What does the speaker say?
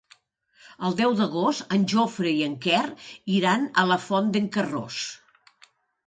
El deu d'agost en Jofre i en Quer iran a la Font d'en Carròs.